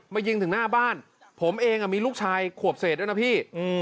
ยิงถึงหน้าบ้านผมเองมีลูกชายขวบเศษด้วยนะพี่